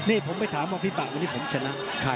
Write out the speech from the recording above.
นี่ผมไปถามว่าพี่ป่าวันนี้ผมชนะ